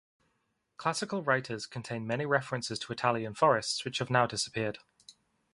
Classical writers contain many references to Italian forests which have now disappeared.